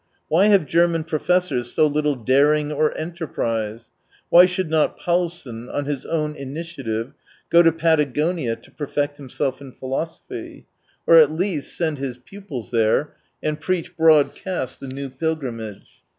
Why have German professors so little daring or enterprise ? Why should not Paulsen, on his own in itiative, go to Patagonia to perfect himself in philosophy ?— or at least send his pupils 123 there, and preach broadcast the new pil grimage.